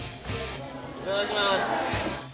いただきます。